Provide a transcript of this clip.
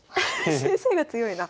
先生が強いな。